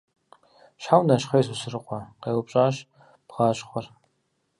– Щхьэ унэщхъей, Сосрыкъуэ? – къеупщӀащ бгъащхъуэр.